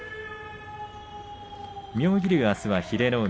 妙義龍はあすは英乃海。